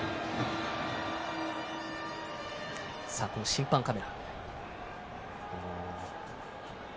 審判カメラ。